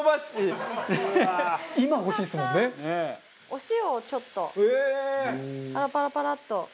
お塩をちょっとパラパラパラッと。